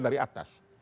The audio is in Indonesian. saya di atas